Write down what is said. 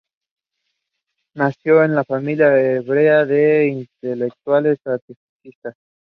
Nació en una familia hebrea de intelectuales antifascistas.